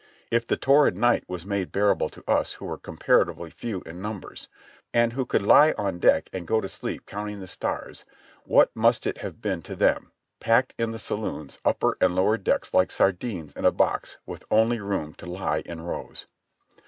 If the torrid night was made bearable to us who were comparatively few in num bers, and who could lie on deck and go to sleep counting the stars, what must it have been to them — packed in the saloons, upper and lower decks like sardines in a box, with only room to lie in rows?